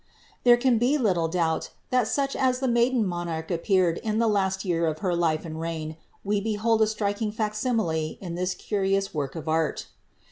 There can be little doubt that such as the maiden monarch appcamJ in the last year of her life and reign, we behold a striking fac iiruile in this curious work of art.